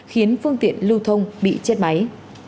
khiến phương tiện lưu thông bị chết máy